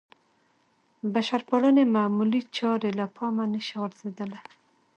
بشرپالنې معمولې چارې له پامه نه شي غورځېدلی.